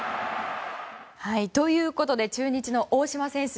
ということで中日の大島選手